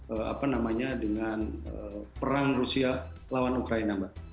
itu hampir sama jumlahnya dengan perang rusia lawan ukraina mbak